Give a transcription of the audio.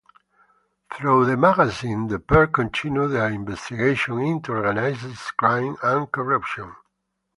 Through the magazine, the pair continued their investigation into organized crime and corruption.